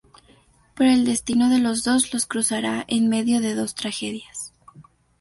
Pero el destino de los dos los cruzará en medio de dos tragedias.